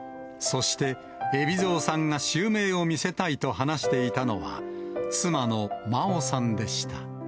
そして、海老蔵さんが襲名を見せたいと話していたのは、妻の麻央さんでし